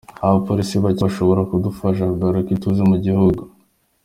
Abapolisi bake bashobora kudufasha kugarura ituze mu gihugu.